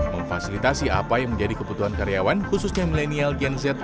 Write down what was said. memfasilitasi apa yang menjadi kebutuhan karyawan khususnya milenial gen z